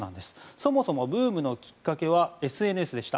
そもそもブームのきっかけはＳＮＳでした。